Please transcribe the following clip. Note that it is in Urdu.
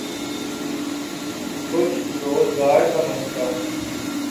کچھ روزگار کا مسئلہ۔